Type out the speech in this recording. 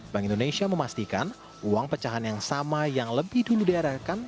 bank indonesia memastikan uang pecahan yang sama yang lebih dulu diarahkan